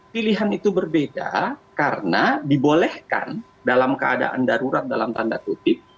pilihan itu berbeda karena dibolehkan dalam keadaan darurat dalam tanda kutip